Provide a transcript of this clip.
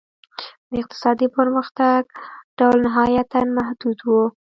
د اقتصادي پرمختګ ډول نهایتاً محدود و.